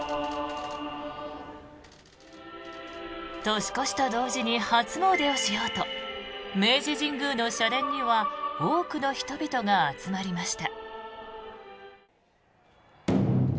年越しと同時に初詣をしようと明治神宮の社殿には多くの人々が集まりました。